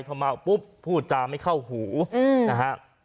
พอเมาปุ๊บพูดจาไม่เข้าหูนะฮะ